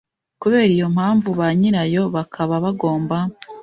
kubera iyo mpamvu ba nyirayo bakaba bagomba